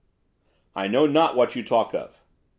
'I know not what you talk of.